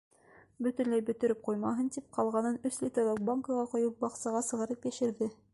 Бөтөнләй бөтөрөп ҡуймаһын тип, ҡалғанын өс литрлыҡ банкаға ҡойоп, баҡсаға сығарып йәшерҙе.